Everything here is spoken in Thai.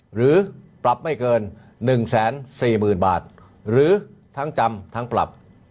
หรือปรับไม่เกิน๑๔๐๐๐บาทหรือทั้งจำทั้งปรับ